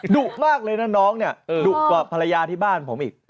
ดุมากเลยนะน้องเนี่ยดุกว่าภรรยาที่บ้านผมอีก